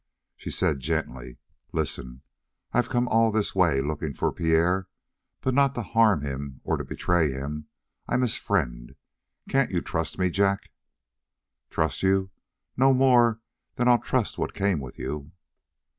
She said gently: "Listen; I've come all this way looking for Pierre, but not to harm him or to betray him, I'm his friend. Can't you trust me Jack?" "Trust you? No more than I'll trust what came with you!"